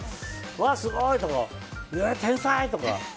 わー、すごい！とか天才！とか。